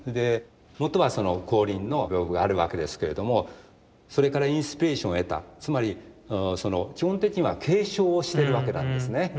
もとは光琳の屏風があるわけですけれどもそれからインスピレーションを得たつまり基本的には継承をしてるわけなんですね。